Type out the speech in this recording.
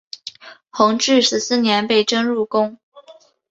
弘治十四年被征入宫。